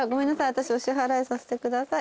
私お支払いさせてください。